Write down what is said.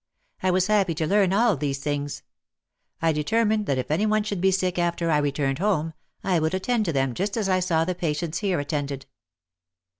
I was happy to learn all these things. I determined that if any one should be sick after I returned home, I would attend to them just as I saw the patients here attended.